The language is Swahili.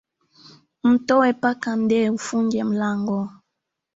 Mtoe mpaka nde ufunge mlango